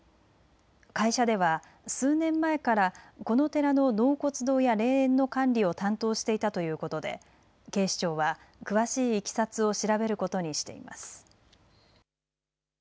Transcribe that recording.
会社では数年前からこの寺の納骨堂や霊園の管理を担当していたということで警視庁は詳しいいきさつを調べることにしています。